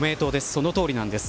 そのとおりなんです。